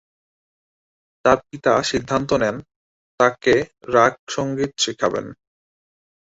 তাঁর পিতা সিদ্ধান্ত নেন তাঁকে রাগ সঙ্গীত শিখাবেন।